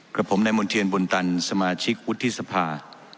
กับผมในมณ์เทียนบุญตันสมาชิกวุฒิสภา